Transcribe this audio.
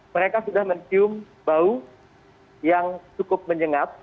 mereka sudah mencium bau yang cukup menyengat